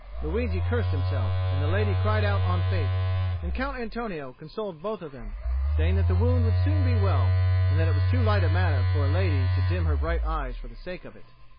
Luigi cursed himself, and the lady cried out on fate; and Count Antonio consoled both of them, saying that the wound would soon be well, and that it was too light a matter for a lady to dim her bright eyes for the sake of it.